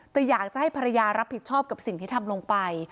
แต่อยากจะให้ภรรยารับผิดชอบกับสิ่งที่ทำลงไป